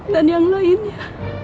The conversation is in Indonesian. dan yang lainnya